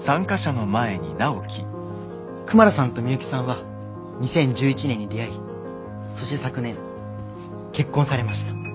クマラさんとミユキさんは２０１１年に出会いそして昨年結婚されました。